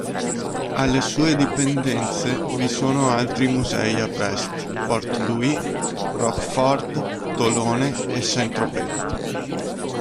Alle sue dipendenze vi sono altri musei a Brest, Port-Louis, Rochefort, Tolone e Saint-Tropez.